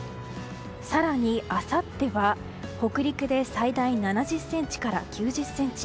更にあさっては北陸で最大７０ｃｍから９０ｃｍ。